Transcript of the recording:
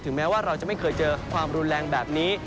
แม้ว่าเราจะไม่เคยเจอความรุนแรงแบบนี้